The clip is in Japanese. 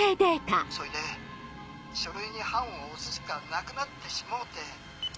そいで書類に判を押すしかなくなってしもうて。